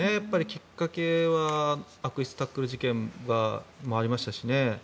きっかけは悪質タックル事件もありましたしね。